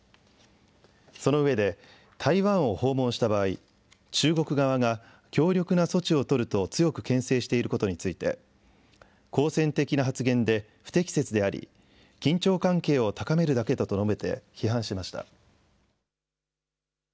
その上で、台湾を訪問した場合、中国側が強力な措置を取ると強くけん制していることについて、好戦的な発言で、不適切であり、緊張関係を高めるだけだと述べて、批判しました。